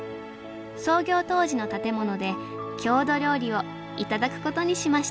創業当時の建物で郷土料理を頂くことにしました